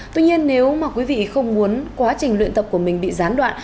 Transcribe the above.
tuy nhiên nếu mà quý vị không muốn quá trình luyện tập của mình bị gián đoạn